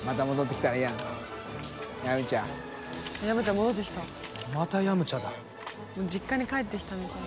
もう実家に帰ってきたみたいに。